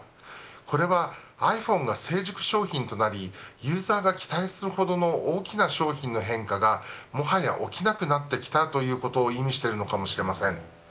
これはｉＰｈｏｎｅが成熟商品となりユーザーが期待するほどの大きな商品の変化がもはや起きなくなってきたということを意味しているのかもしれません。